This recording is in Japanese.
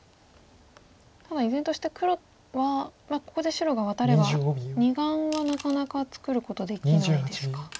ただ依然として黒はここで白がワタれば２眼はなかなか作ることできないですか。